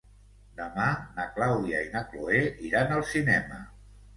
Demà na Clàudia i na Cloè iran al cinema.